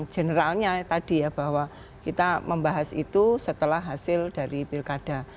generalnya tadi ya bahwa kita membahas itu setelah hasil dari pilkada